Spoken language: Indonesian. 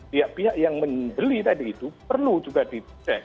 pihak pihak yang beli tadi itu perlu juga di cek